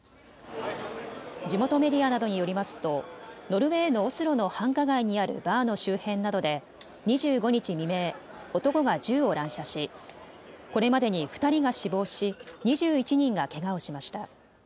地元メディアなどによりますとノルウェーのオスロの繁華街にあるバーの周辺などで２５日未明、男が銃を乱射し、これまでに２人が死亡し２１人がけがをしました。